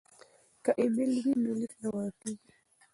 که ایمیل وي نو لیک نه ورک کیږي.